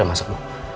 udah masuk bu